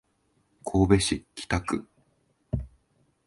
神戸市北区